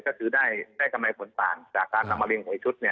ถ้าถือได้ได้กำไรผลต่างจากการทำมาเรียงหยุดเนี่ย